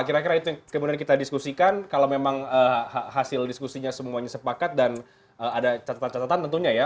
kira kira itu yang kemudian kita diskusikan kalau memang hasil diskusinya semuanya sepakat dan ada catatan catatan tentunya ya